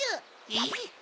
えっ？